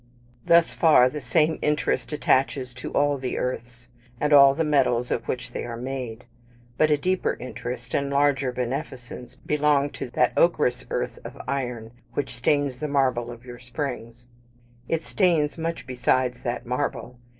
Thus far the same interest attaches to all the earths, and all the metals of which they are made; but a deeper interest, and larger beneficence belong to that ochreous earth of iron which stains the marble of your springs. It stains much besides that marble.